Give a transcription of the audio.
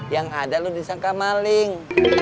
yang ada lu disangka maling